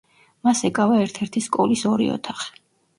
მას ეკავა ერთ-ერთი სკოლის ორი ოთახი.